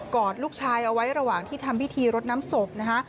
อดลูกชายเอาไว้ระหว่างที่ทำพิธีรดน้ำศพนะคะ